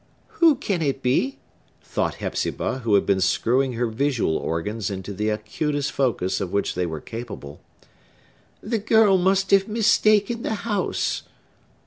"Who can it be?" thought Hepzibah, who had been screwing her visual organs into the acutest focus of which they were capable. "The girl must have mistaken the house."